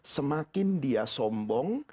semakin dia sombong